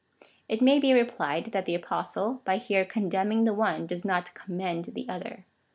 It may be replied, that the Apostle, by here condemning the one, does not commend the other.